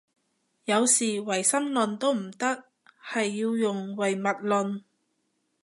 有時唯心論都唔得，係要用唯物論